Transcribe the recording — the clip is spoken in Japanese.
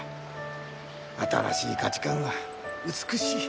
新しい価値観は美しい。